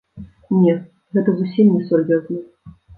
Не, гэта зусім несур'ёзна.